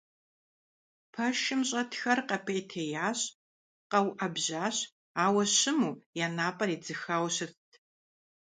Пэшым щӀэтхэр къэпӀейтеящ, къэуӀэбжьащ, ауэ щыму, я напӀэр едзыхауэ щытт.